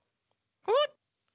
おっ。